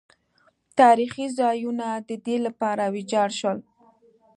تاریخي ځایونه د دې لپاره ویجاړ شول.